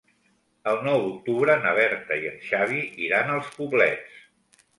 El nou d'octubre na Berta i en Xavi iran als Poblets.